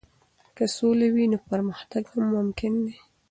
که سوله وي، نو پرمختګ هم ممکن دی.